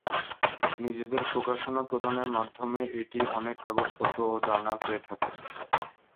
নিজেদের প্রকাশনা প্রদানের মাধ্যমে এটি অনেক কাগজপত্র ও জার্নাল পেয়ে থাকে।